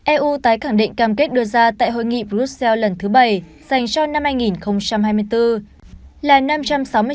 eu tái khẳng định cam kết đưa ra tại hội nghị brussels lần thứ bảy dành cho năm hai nghìn hai mươi bốn là năm trăm sáu mươi sáu